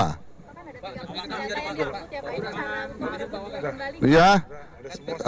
apakah ada tiga senjatanya yang diambil